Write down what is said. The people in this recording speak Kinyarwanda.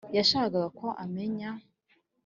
yashakaga ko menya